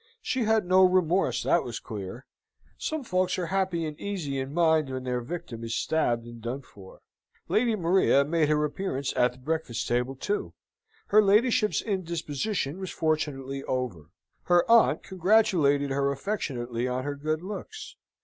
She had no remorse, that was clear. (Some folks are happy and easy in mind when their victim is stabbed and done for.) Lady Maria made her appearance at the breakfast table, too. Her ladyship's indisposition was fortunately over: her aunt congratulated her affectionately on her good looks.